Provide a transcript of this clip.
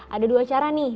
ada dua cara nih